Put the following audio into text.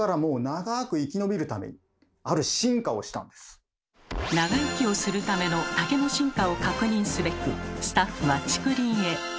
更に竹は長生きをするための竹の進化を確認すべくスタッフは竹林へ。